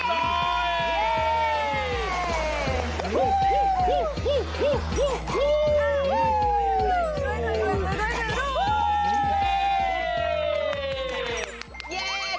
เย้ก่อนอื่นแสดงความยินดีกับคุณจอยอีกครั้งหนึ่งนะฮะ